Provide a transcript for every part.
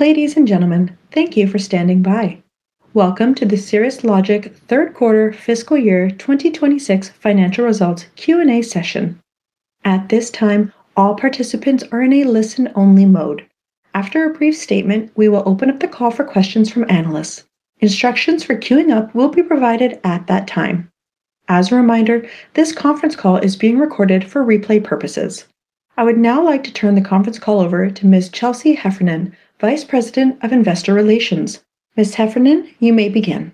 Ladies and gentlemen, thank you for standing by. Welcome to the Cirrus Logic third quarter fiscal year 2026 financial results Q&A session. At this time, all participants are in a listen-only mode. After a brief statement, we will open up the call for questions from analysts. Instructions for queuing up will be provided at that time. As a reminder, this conference call is being recorded for replay purposes. I would now like to turn the conference call over to Ms. Chelsea Heffernan, Vice President of Investor Relations. Ms. Heffernan, you may begin.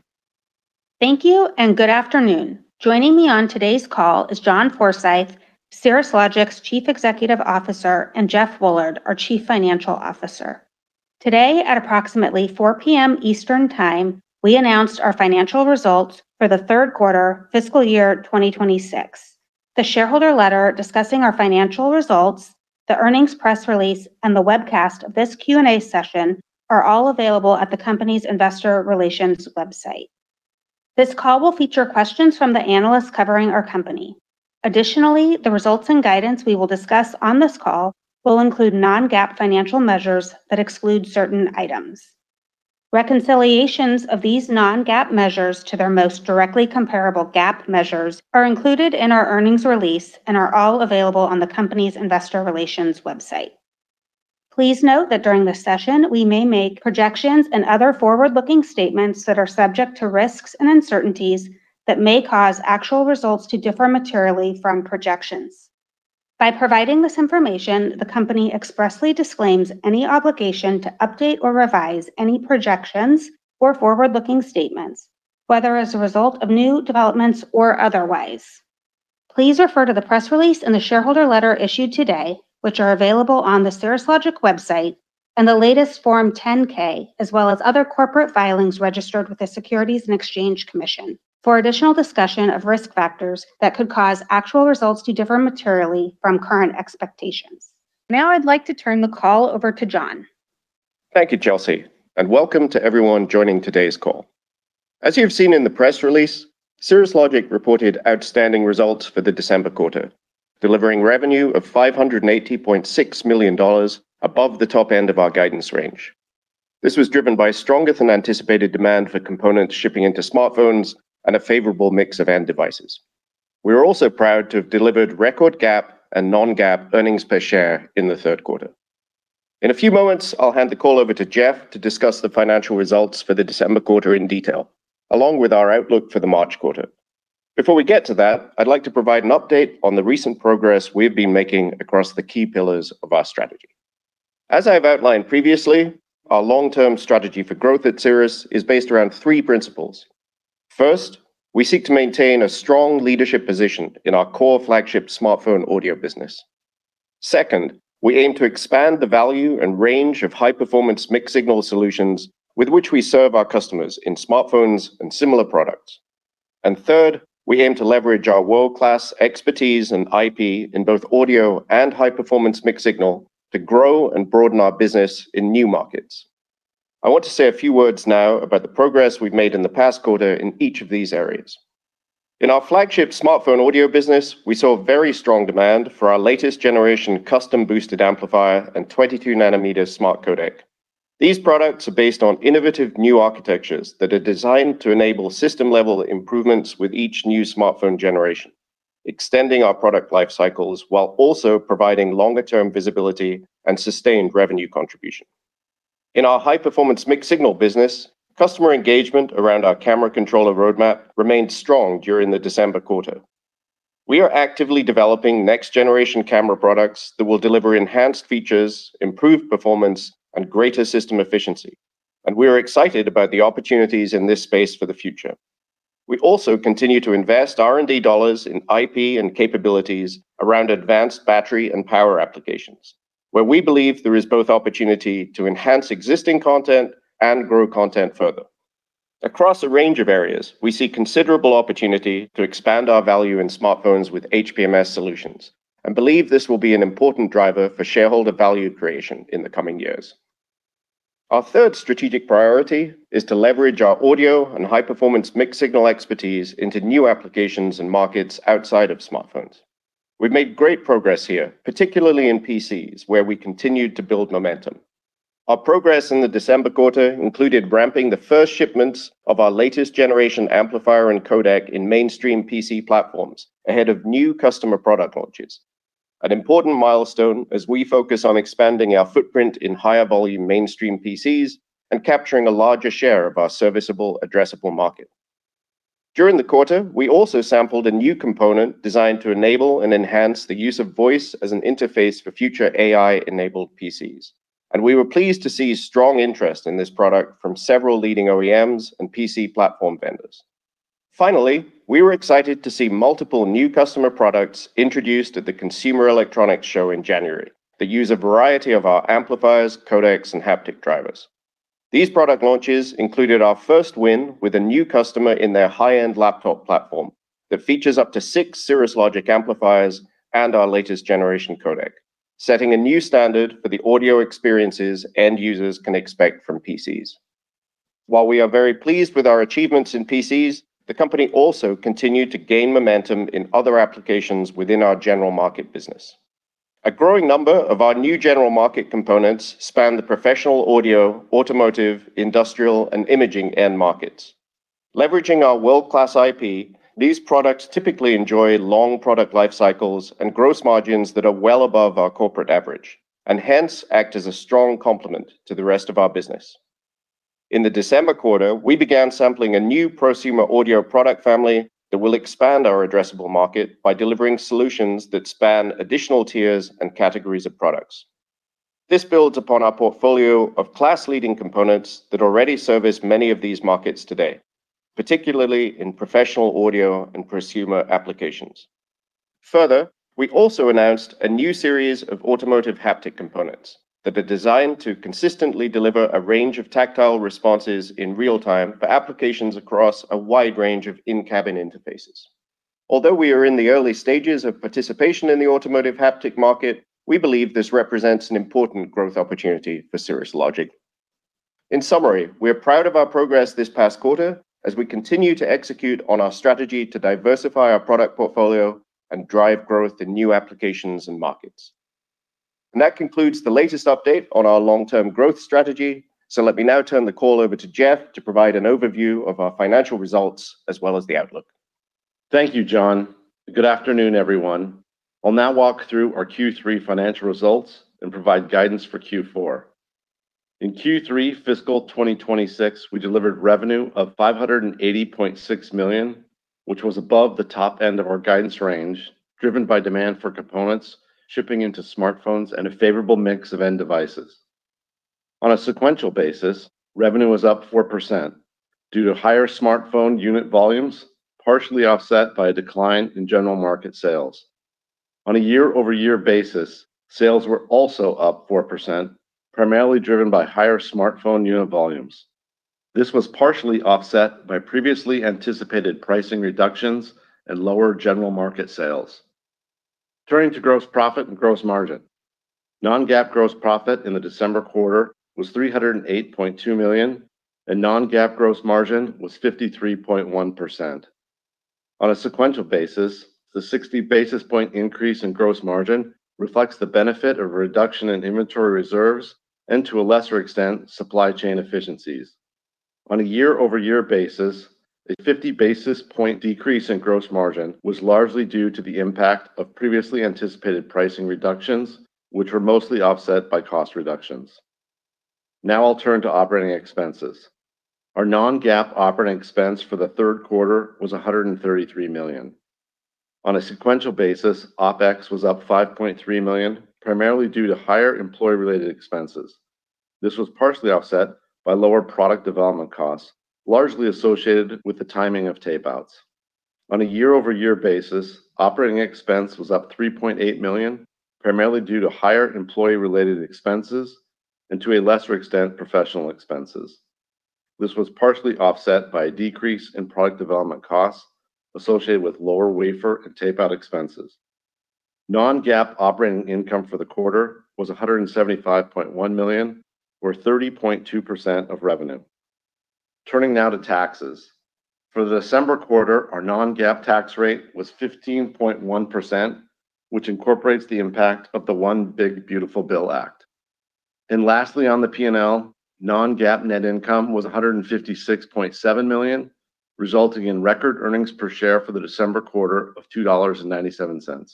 Thank you and good afternoon. Joining me on today's call is John Forsyth, Cirrus Logic's Chief Executive Officer, and Jeff Woolard, our Chief Financial Officer. Today at approximately 4:00 P.M. Eastern Time, we announced our financial results for the third quarter fiscal year 2026. The shareholder letter discussing our financial results, the earnings press release, and the webcast of this Q&A session are all available at the company's Investor Relations website. This call will feature questions from the analysts covering our company. Additionally, the results and guidance we will discuss on this call will include non-GAAP financial measures that exclude certain items. Reconciliations of these non-GAAP measures to their most directly comparable GAAP measures are included in our earnings release and are all available on the company's Investor Relations website. Please note that during this session we may make projections and other forward-looking statements that are subject to risks and uncertainties that may cause actual results to differ materially from projections. By providing this information, the company expressly disclaims any obligation to update or revise any projections or forward-looking statements, whether as a result of new developments or otherwise. Please refer to the press release and the shareholder letter issued today, which are available on the Cirrus Logic website, and the latest Form 10-K as well as other corporate filings registered with the Securities and Exchange Commission for additional discussion of risk factors that could cause actual results to differ materially from current expectations. Now I'd like to turn the call over to John. Thank you, Chelsea, and welcome to everyone joining today's call. As you've seen in the press release, Cirrus Logic reported outstanding results for the December quarter, delivering revenue of $580.6 million above the top end of our guidance range. This was driven by stronger-than-anticipated demand for components shipping into smartphones and a favorable mix of end devices. We are also proud to have delivered record GAAP and non-GAAP earnings per share in the third quarter. In a few moments, I'll hand the call over to Jeff to discuss the financial results for the December quarter in detail, along with our outlook for the March quarter. Before we get to that, I'd like to provide an update on the recent progress we've been making across the key pillars of our strategy. As I have outlined previously, our long-term strategy for growth at Cirrus is based around three principles. First, we seek to maintain a strong leadership position in our core flagship smartphone audio business. Second, we aim to expand the value and range of high-performance mixed signal solutions with which we serve our customers in smartphones and similar products. Third, we aim to leverage our world-class expertise and IP in both audio and high-performance mixed signal to grow and broaden our business in new markets. I want to say a few words now about the progress we've made in the past quarter in each of these areas. In our flagship smartphone audio business, we saw very strong demand for our latest-generation custom-boosted amplifier and 22-nm smart codec. These products are based on innovative new architectures that are designed to enable system-level improvements with each new smartphone generation, extending our product life cycles while also providing longer-term visibility and sustained revenue contribution. In our high-performance mixed-signal business, customer engagement around our camera controller roadmap remained strong during the December quarter. We are actively developing next-generation camera products that will deliver enhanced features, improved performance, and greater system efficiency, and we are excited about the opportunities in this space for the future. We also continue to invest R&D dollars in IP and capabilities around advanced battery and power applications, where we believe there is both opportunity to enhance existing content and grow content further. Across a range of areas, we see considerable opportunity to expand our value in smartphones with HPMS solutions and believe this will be an important driver for shareholder value creation in the coming years. Our third strategic priority is to leverage our audio and high-performance mixed-signal expertise into new applications and markets outside of smartphones. We've made great progress here, particularly in PCs, where we continued to build momentum. Our progress in the December quarter included ramping the first shipments of our latest-generation amplifier and codec in mainstream PC platforms ahead of new customer product launches, an important milestone as we focus on expanding our footprint in higher-volume mainstream PCs and capturing a larger share of our serviceable, addressable market. During the quarter, we also sampled a new component designed to enable and enhance the use of voice as an interface for future AI-enabled PCs, and we were pleased to see strong interest in this product from several leading OEMs and PC platform vendors. Finally, we were excited to see multiple new customer products introduced at the Consumer Electronics Show in January that use a variety of our amplifiers, codecs, and haptic drivers. These product launches included our first win with a new customer in their high-end laptop platform that features up to six Cirrus Logic amplifiers and our latest-generation codec, setting a new standard for the audio experiences end users can expect from PCs. While we are very pleased with our achievements in PCs, the company also continued to gain momentum in other applications within our general market business. A growing number of our new general market components span the professional audio, automotive, industrial, and imaging end markets. Leveraging our world-class IP, these products typically enjoy long product life cycles and gross margins that are well above our corporate average and hence act as a strong complement to the rest of our business. In the December quarter, we began sampling a new prosumer audio product family that will expand our addressable market by delivering solutions that span additional tiers and categories of products. This builds upon our portfolio of class-leading components that already service many of these markets today, particularly in professional audio and prosumer applications. Further, we also announced a new series of automotive haptic components that are designed to consistently deliver a range of tactile responses in real time for applications across a wide range of in-cabin interfaces. Although we are in the early stages of participation in the automotive haptic market, we believe this represents an important growth opportunity for Cirrus Logic. In summary, we are proud of our progress this past quarter as we continue to execute on our strategy to diversify our product portfolio and drive growth in new applications and markets. That concludes the latest update on our long-term growth strategy. Let me now turn the call over to Jeff to provide an overview of our financial results as well as the outlook. Thank you, John. Good afternoon, everyone. I'll now walk through our Q3 financial results and provide guidance for Q4. In Q3 fiscal 2026, we delivered revenue of $580.6 million, which was above the top end of our guidance range, driven by demand for components, shipping into smartphones, and a favorable mix of end devices. On a sequential basis, revenue was up 4% due to higher smartphone unit volumes, partially offset by a decline in general market sales. On a year-over-year basis, sales were also up 4%, primarily driven by higher smartphone unit volumes. This was partially offset by previously anticipated pricing reductions and lower general market sales. Turning to gross profit and gross margin, non-GAAP gross profit in the December quarter was $308.2 million, and non-GAAP gross margin was 53.1%. On a sequential basis, the 60 basis points increase in gross margin reflects the benefit of a reduction in inventory reserves and, to a lesser extent, supply chain efficiencies. On a year-over-year basis, a 50 basis points decrease in gross margin was largely due to the impact of previously anticipated pricing reductions, which were mostly offset by cost reductions. Now I'll turn to operating expenses. Our non-GAAP operating expense for the third quarter was $133 million. On a sequential basis, OpEx was up $5.3 million, primarily due to higher employee-related expenses. This was partially offset by lower product development costs, largely associated with the timing of tapeouts. On a year-over-year basis, operating expense was up $3.8 million, primarily due to higher employee-related expenses and, to a lesser extent, professional expenses. This was partially offset by a decrease in product development costs associated with lower wafer and tapeout expenses. Non-GAAP operating income for the quarter was $175.1 million, or 30.2% of revenue. Turning now to taxes, for the December quarter, our non-GAAP tax rate was 15.1%, which incorporates the impact of the One Big Beautiful Bill Act. Lastly, on the P&L, non-GAAP net income was $156.7 million, resulting in record earnings per share for the December quarter of $2.97.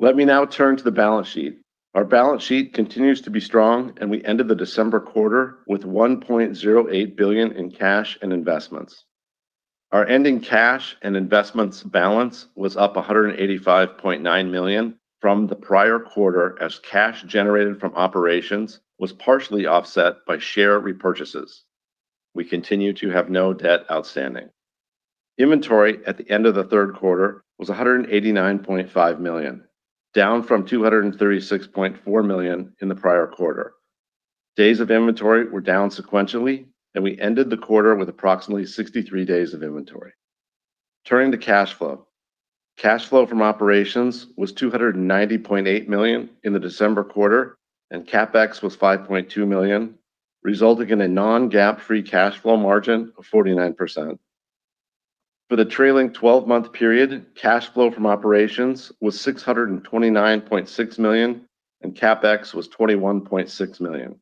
Let me now turn to the balance sheet. Our balance sheet continues to be strong, and we ended the December quarter with $1.08 billion in cash and investments. Our ending cash and investments balance was up $185.9 million from the prior quarter as cash generated from operations was partially offset by share repurchases. We continue to have no debt outstanding. Inventory at the end of the third quarter was $189.5 million, down from $236.4 million in the prior quarter. Days of inventory were down sequentially, and we ended the quarter with approximately 63 days of inventory. Turning to cash flow, cash flow from operations was $290.8 million in the December quarter, and CapEx was $5.2 million, resulting in a non-GAAP free cash flow margin of 49%. For the trailing 12-month period, cash flow from operations was $629.6 million, and CapEx was $21.6 million.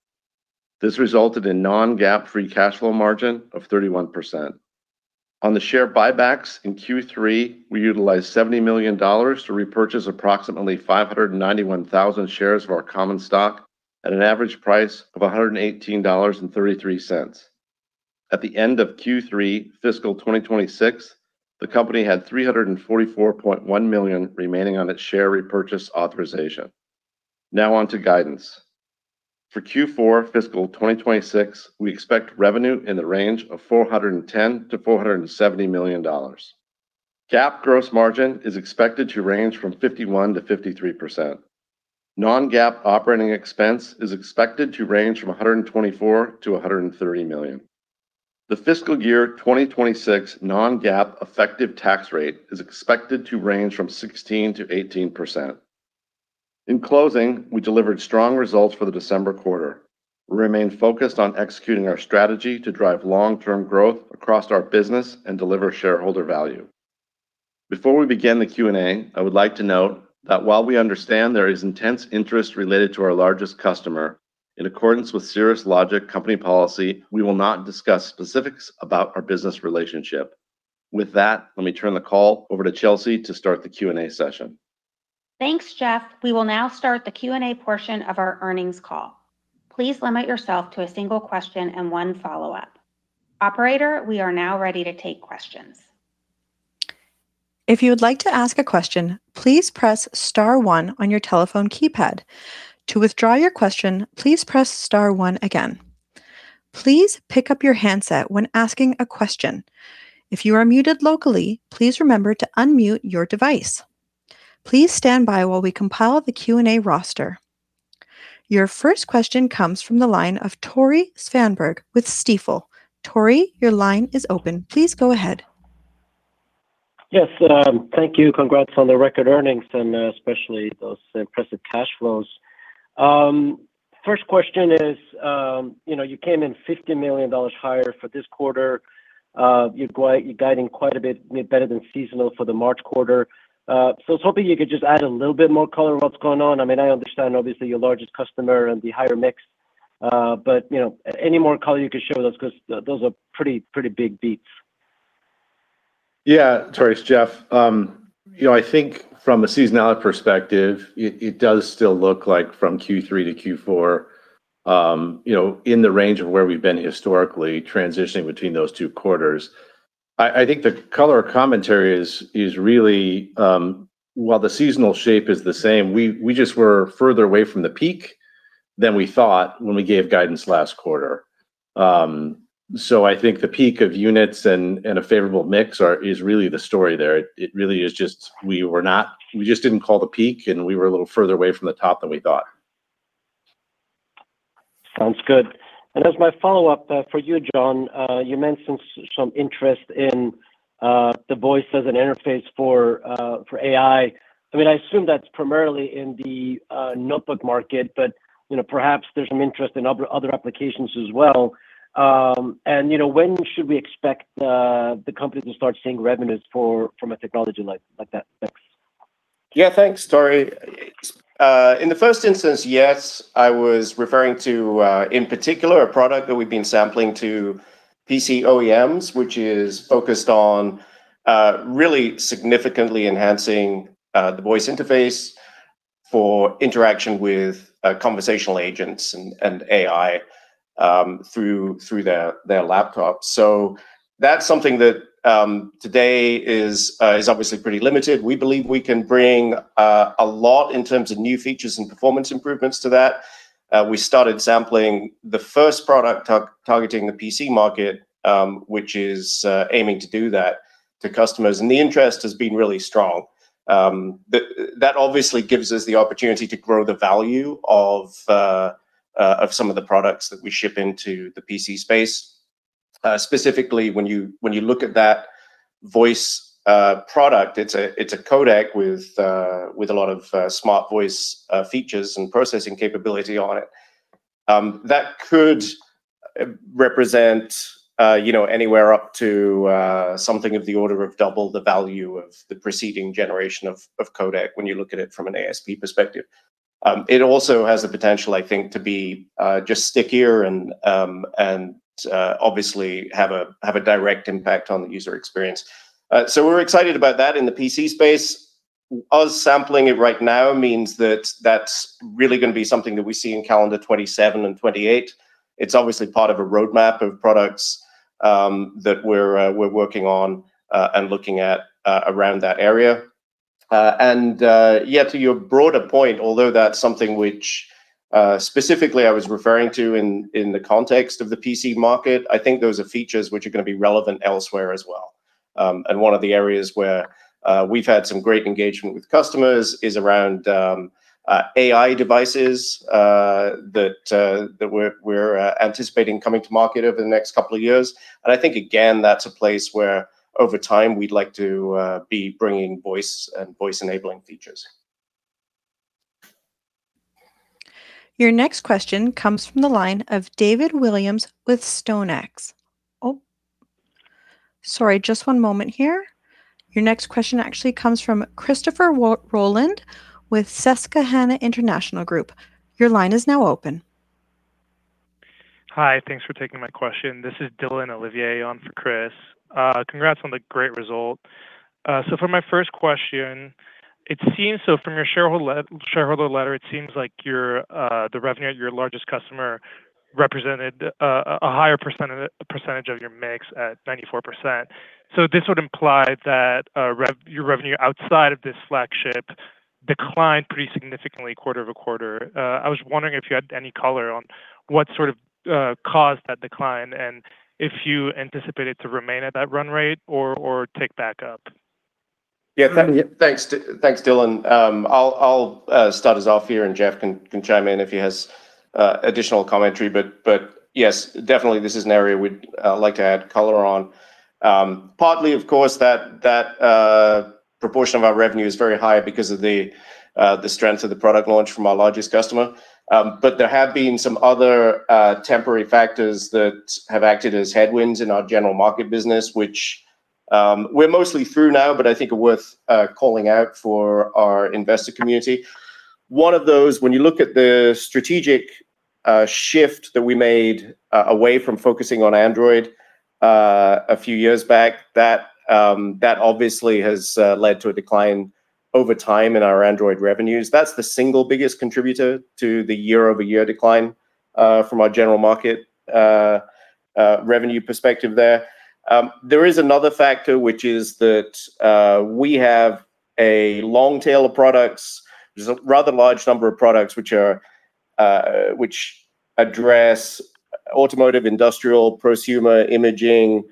This resulted in a non-GAAP free cash flow margin of 31%. On the share buybacks in Q3, we utilized $70 million to repurchase approximately 591,000 shares of our common stock at an average price of $118.33. At the end of Q3 fiscal 2026, the company had $344.1 million remaining on its share repurchase authorization. Now on to guidance. For Q4 fiscal 2026, we expect revenue in the range of $410 million-$470 million. GAAP gross margin is expected to range from 51%-53%. Non-GAAP operating expense is expected to range from $124 million-$130 million. The fiscal year 2026 non-GAAP effective tax rate is expected to range from 16%-18%. In closing, we delivered strong results for the December quarter. We remain focused on executing our strategy to drive long-term growth across our business and deliver shareholder value. Before we begin the Q&A, I would like to note that while we understand there is intense interest related to our largest customer, in accordance with Cirrus Logic company policy, we will not discuss specifics about our business relationship. With that, let me turn the call over to Chelsea to start the Q&A session. Thanks, Jeff. We will now start the Q&A portion of our earnings call. Please limit yourself to a single question and one follow-up. Operator, we are now ready to take questions. If you would like to ask a question, please press star one on your telephone keypad. To withdraw your question, please press star one again. Please pick up your handset when asking a question. If you are muted locally, please remember to unmute your device. Please stand by while we compile the Q&A roster. Your first question comes from the line of Tore Svanberg with Stifel. Tore, your line is open. Please go ahead. Yes. Thank you. Congrats on the record earnings and especially those impressive cash flows. First question is, you came in $50 million higher for this quarter. You're guiding quite a bit better than seasonal for the March quarter. So I was hoping you could just add a little bit more color on what's going on. I mean, I understand, obviously, your largest customer and the higher mix, but any more color you could share with us because those are pretty big beats. Yeah. Tore, it's Jeff. I think from a seasonality perspective, it does still look like from Q3 to Q4, in the range of where we've been historically transitioning between those two quarters. I think the color commentary is really, while the seasonal shape is the same, we just were further away from the peak than we thought when we gave guidance last quarter. So I think the peak of units and a favorable mix is really the story there. It really is just we just didn't call the peak, and we were a little further away from the top than we thought. Sounds good. As my follow-up for you, John, you mentioned some interest in the voice as an interface for AI. I mean, I assume that's primarily in the notebook market, but perhaps there's some interest in other applications as well. When should we expect the company to start seeing revenues from a technology like that? Thanks. Yeah. Thanks, Tore. In the first instance, yes. I was referring to, in particular, a product that we've been sampling to PC OEMs, which is focused on really significantly enhancing the voice interface for interaction with conversational agents and AI through their laptops. So that's something that today is obviously pretty limited. We believe we can bring a lot in terms of new features and performance improvements to that. We started sampling the first product targeting the PC market, which is aiming to do that to customers, and the interest has been really strong. That obviously gives us the opportunity to grow the value of some of the products that we ship into the PC space. Specifically, when you look at that voice product, it's a codec with a lot of smart voice features and processing capability on it. That could represent anywhere up to something of the order of double the value of the preceding generation of codec when you look at it from an ASP perspective. It also has the potential, I think, to be just stickier and obviously have a direct impact on the user experience. So we're excited about that in the PC space. We're sampling it right now means that that's really going to be something that we see in calendar 2027 and 2028. It's obviously part of a roadmap of products that we're working on and looking at around that area. And yeah, to your broader point, although that's something which specifically I was referring to in the context of the PC market, I think those are features which are going to be relevant elsewhere as well. And one of the areas where we've had some great engagement with customers is around AI devices that we're anticipating coming to market over the next couple of years. And I think, again, that's a place where, over time, we'd like to be bringing voice and voice-enabling features. Your next question comes from the line of David Williams with StoneX. Oh. Sorry, just one moment here. Your next question actually comes from Christopher Rolland with Susquehanna International Group. Your line is now open. Hi. Thanks for taking my question. This is Dylan Ollivier on for Chris. Congrats on the great result. So for my first question, it seems so from your shareholder letter, it seems like the revenue at your largest customer represented a higher percentage of your mix at 94%. So this would imply that your revenue outside of this flagship declined pretty significantly quarter-over-quarter. I was wondering if you had any color on what sort of caused that decline and if you anticipated to remain at that run rate or take back up? Yeah. Thanks, Dylan. I'll start us off here, and Jeff can chime in if he has additional commentary. But yes, definitely, this is an area we'd like to add color on. Partly, of course, that proportion of our revenue is very high because of the strength of the product launch from our largest customer. But there have been some other temporary factors that have acted as headwinds in our general market business, which we're mostly through now, but I think are worth calling out for our investor community. One of those, when you look at the strategic shift that we made away from focusing on Android a few years back, that obviously has led to a decline over time in our Android revenues. That's the single biggest contributor to the year-over-year decline from our general market revenue perspective there. There is another factor, which is that we have a long tail of products. There's a rather large number of products which address automotive, industrial, prosumer, imaging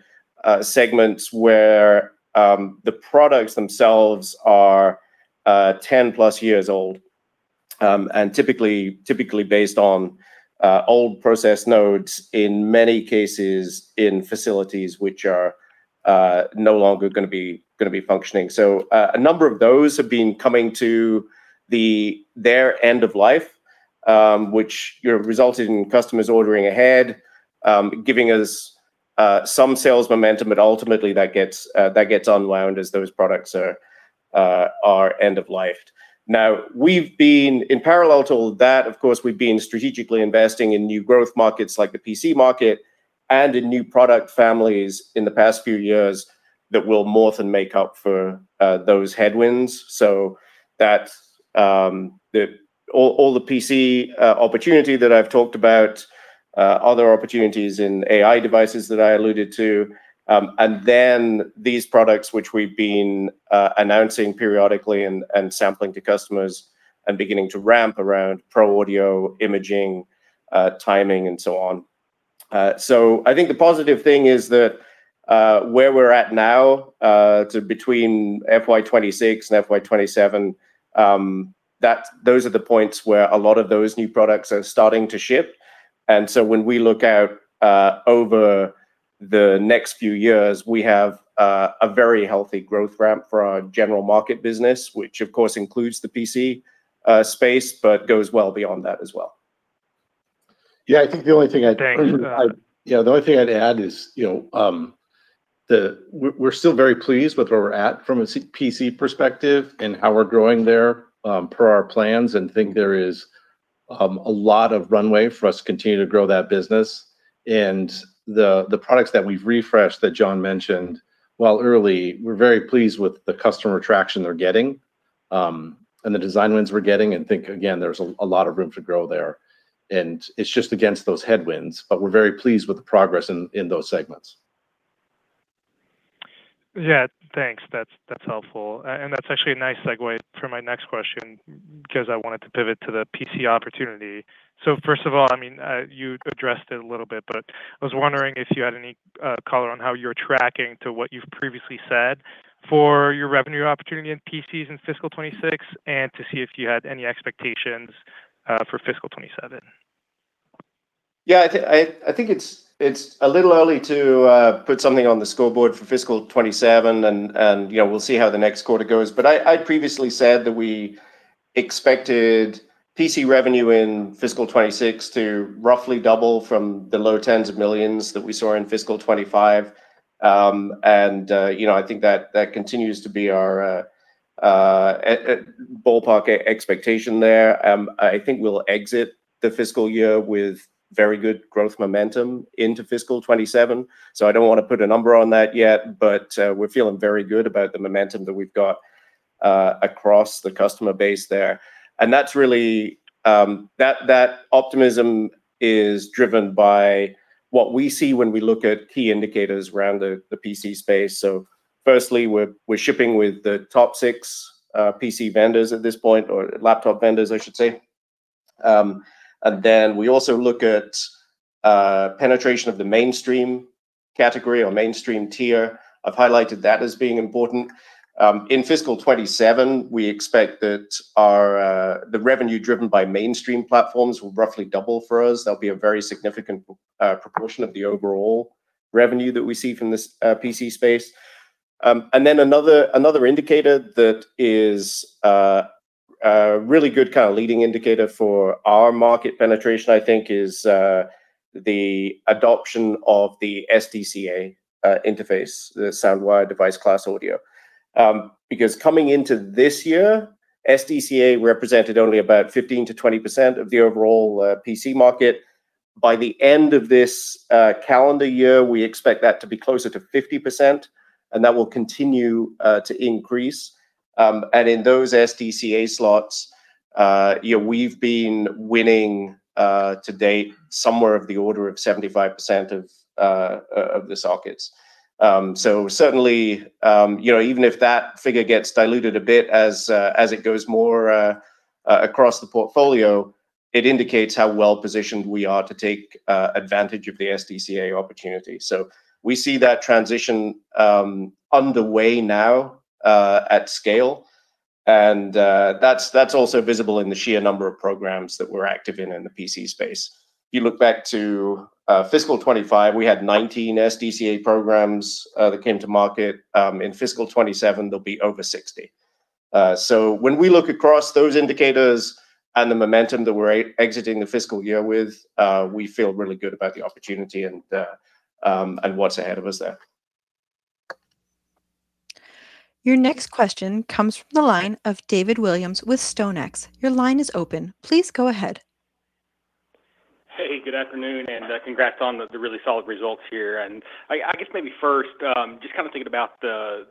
segments where the products themselves are 10+ years old and typically based on old process nodes, in many cases, in facilities which are no longer going to be functioning. So a number of those have been coming to their end of life, which resulted in customers ordering ahead, giving us some sales momentum, but ultimately, that gets unwound as those products are end-of-lifed. Now, in parallel to all that, of course, we've been strategically investing in new growth markets like the PC market and in new product families in the past few years that will morph and make up for those headwinds. So all the PC opportunity that I've talked about, other opportunities in AI devices that I alluded to, and then these products which we've been announcing periodically and sampling to customers and beginning to ramp around pro audio, imaging, timing, and so on. So I think the positive thing is that where we're at now, between FY 2026 and FY 2027, those are the points where a lot of those new products are starting to ship. And so when we look out over the next few years, we have a very healthy growth ramp for our general market business, which, of course, includes the PC space but goes well beyond that as well. Yeah. I think the only thing I'd add is we're still very pleased with where we're at from a PC perspective and how we're growing there per our plans and think there is a lot of runway for us to continue to grow that business. And the products that we've refreshed that John mentioned, while early, we're very pleased with the customer traction they're getting and the design wins we're getting and think, again, there's a lot of room to grow there. And it's just against those headwinds, but we're very pleased with the progress in those segments. Yeah. Thanks. That's helpful. That's actually a nice segue for my next question because I wanted to pivot to the PC opportunity. So first of all, I mean, you addressed it a little bit, but I was wondering if you had any color on how you're tracking to what you've previously said for your revenue opportunity in PCs in fiscal 2026 and to see if you had any expectations for fiscal 2027. Yeah. I think it's a little early to put something on the scoreboard for fiscal 2027, and we'll see how the next quarter goes. But I'd previously said that we expected PC revenue in fiscal 2026 to roughly double from the low $10s of millions that we saw in fiscal 2025. And I think that continues to be our ballpark expectation there. I think we'll exit the fiscal year with very good growth momentum into fiscal 2027. So I don't want to put a number on that yet, but we're feeling very good about the momentum that we've got across the customer base there. And that optimism is driven by what we see when we look at key indicators around the PC space. So firstly, we're shipping with the top six PC vendors at this point, or laptop vendors, I should say. And then we also look at penetration of the mainstream category or mainstream tier. I've highlighted that as being important. In fiscal 2027, we expect that the revenue driven by mainstream platforms will roughly double for us. That'll be a very significant proportion of the overall revenue that we see from this PC space. And then another indicator that is a really good kind of leading indicator for our market penetration, I think, is the adoption of the SDCA interface, the SoundWire Device Class Audio. Because coming into this year, SDCA represented only about 15%-20% of the overall PC market. By the end of this calendar year, we expect that to be closer to 50%, and that will continue to increase. And in those SDCA slots, we've been winning to date somewhere of the order of 75% of the sockets. So certainly, even if that figure gets diluted a bit as it goes more across the portfolio, it indicates how well positioned we are to take advantage of the SDCA opportunity. So we see that transition underway now at scale. And that's also visible in the sheer number of programs that we're active in in the PC space. If you look back to fiscal 2025, we had 19 SDCA programs that came to market. In fiscal 2027, there'll be over 60. So when we look across those indicators and the momentum that we're exiting the fiscal year with, we feel really good about the opportunity and what's ahead of us there. Your next question comes from the line of David Williams with StoneX. Your line is open. Please go ahead. Hey, good afternoon, and congrats on the really solid results here. I guess maybe first, just kind of thinking about the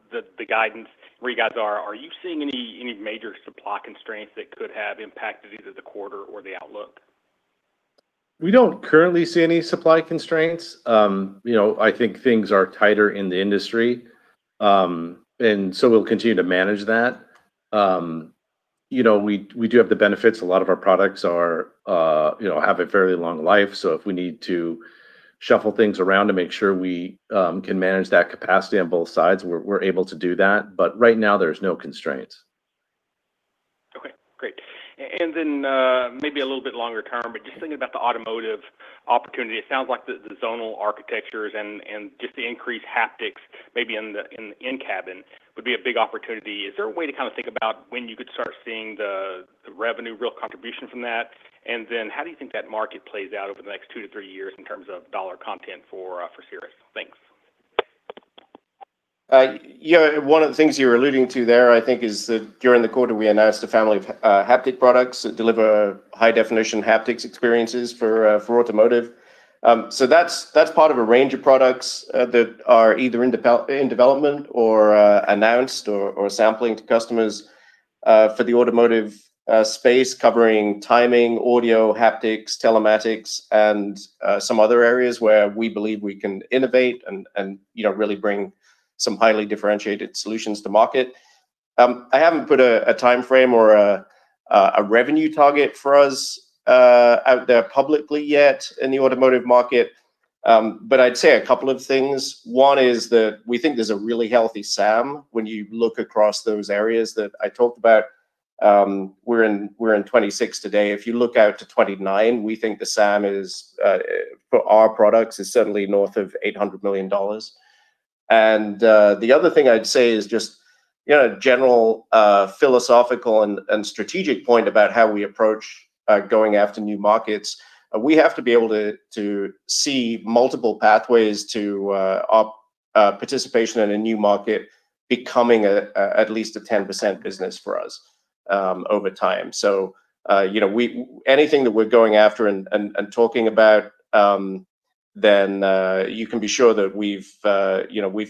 guidance, where you guys are, are you seeing any major supply constraints that could have impacted either the quarter or the outlook? We don't currently see any supply constraints. I think things are tighter in the industry, and so we'll continue to manage that. We do have the benefits. A lot of our products have a fairly long life. So if we need to shuffle things around to make sure we can manage that capacity on both sides, we're able to do that. But right now, there's no constraints. Okay. Great. And then maybe a little bit longer term, but just thinking about the automotive opportunity, it sounds like the zonal architectures and just the increased haptics maybe in the in-cabin would be a big opportunity. Is there a way to kind of think about when you could start seeing the revenue real contribution from that? And then how do you think that market plays out over the next two to three years in terms of dollar content for Cirrus? Thanks. One of the things you were alluding to there, I think, is that during the quarter, we announced a family of haptic products that deliver high-definition haptics experiences for automotive. So that's part of a range of products that are either in development or announced or sampling to customers for the automotive space, covering timing, audio, haptics, telematics, and some other areas where we believe we can innovate and really bring some highly differentiated solutions to market. I haven't put a timeframe or a revenue target for us out there publicly yet in the automotive market. But I'd say a couple of things. One is that we think there's a really healthy SAM when you look across those areas that I talked about. We're in 2026 today. If you look out to 2029, we think the SAM for our products is certainly north of $800 million. The other thing I'd say is just a general philosophical and strategic point about how we approach going after new markets. We have to be able to see multiple pathways to participation in a new market becoming at least a 10% business for us over time. Anything that we're going after and talking about, then you can be sure that we've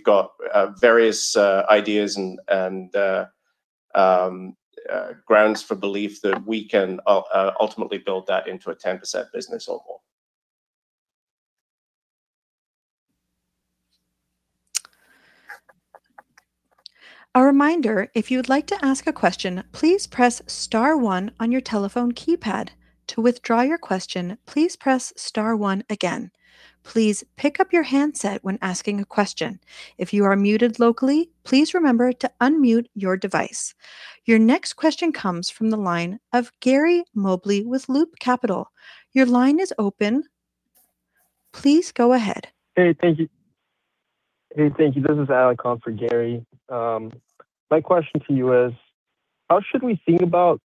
got various ideas and grounds for belief that we can ultimately build that into a 10% business or more. A reminder, if you would like to ask a question, please press star one on your telephone keypad. To withdraw your question, please press star one again. Please pick up your handset when asking a question. If you are muted locally, please remember to unmute your device. Your next question comes from the line of Gary Mobley with Loop Capital. Your line is open. Please go ahead. Hey, thank you. Hey, thank you. This is Alek on for Gary. My question to you is, how should we think about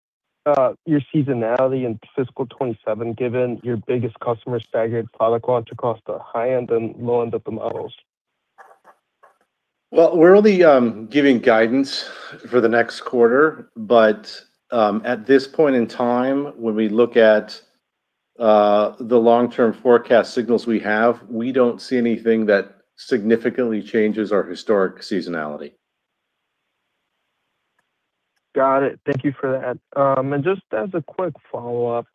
your seasonality in fiscal 2027 given your biggest customer staggered product launch across the high-end and low-end of the models? Well, we're only giving guidance for the next quarter. But at this point in time, when we look at the long-term forecast signals we have, we don't see anything that significantly changes our historic seasonality. Got it. Thank you for that. And just as a quick follow-up,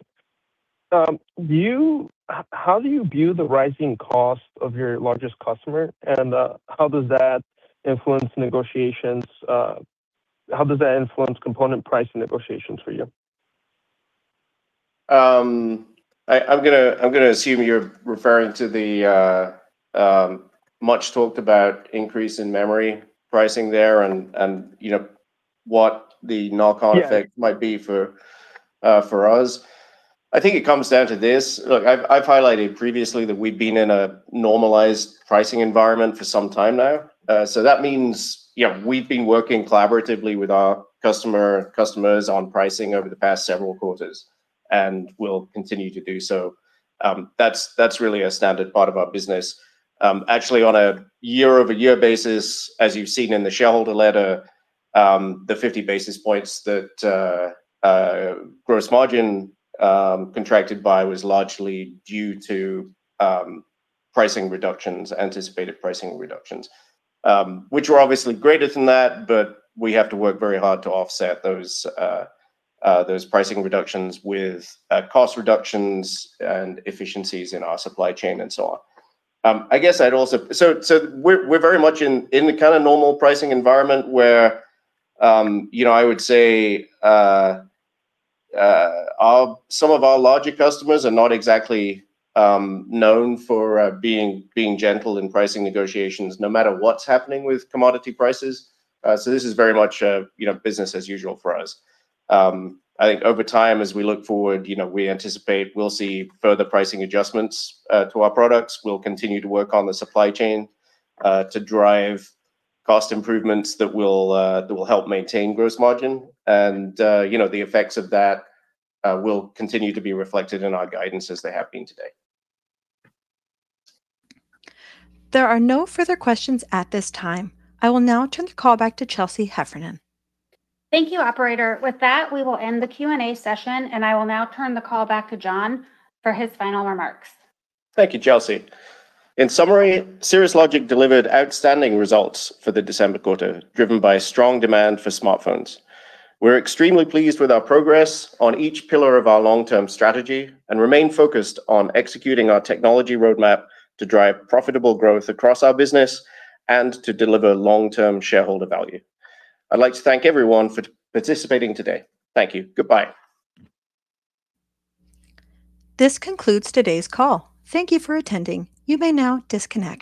how do you view the rising cost of your largest customer, and how does that influence negotiations? How does that influence component pricing negotiations for you? I'm going to assume you're referring to the much-talked-about increase in memory pricing there and what the knock-on effect might be for us. I think it comes down to this. Look, I've highlighted previously that we've been in a normalized pricing environment for some time now. So that means we've been working collaboratively with our customers on pricing over the past several quarters, and we'll continue to do so. That's really a standard part of our business. Actually, on a year-over-year basis, as you've seen in the shareholder letter, the 50 basis points that gross margin contracted by was largely due to anticipated pricing reductions, which were obviously greater than that, but we have to work very hard to offset those pricing reductions with cost reductions and efficiencies in our supply chain and so on. I guess I'd also say so we're very much in the kind of normal pricing environment where I would say some of our larger customers are not exactly known for being gentle in pricing negotiations, no matter what's happening with commodity prices. So this is very much business as usual for us. I think over time, as we look forward, we anticipate we'll see further pricing adjustments to our products. We'll continue to work on the supply chain to drive cost improvements that will help maintain gross margin. The effects of that will continue to be reflected in our guidance as they have been today. There are no further questions at this time. I will now turn the call back to Chelsea Heffernan. Thank you, operator. With that, we will end the Q&A session, and I will now turn the call back to John for his final remarks. Thank you, Chelsea. In summary, Cirrus Logic delivered outstanding results for the December quarter, driven by strong demand for smartphones. We're extremely pleased with our progress on each pillar of our long-term strategy and remain focused on executing our technology roadmap to drive profitable growth across our business and to deliver long-term shareholder value. I'd like to thank everyone for participating today. Thank you. Goodbye. This concludes today's call. Thank you for attending. You may now disconnect.